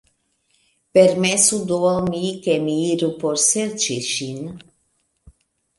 Permesu do al mi, ke mi iru por serĉi ŝin.